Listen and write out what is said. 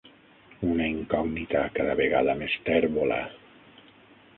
Una incògnita cada vegada més tèrbola.